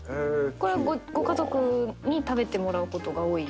これご家族に食べてもらうことが多い？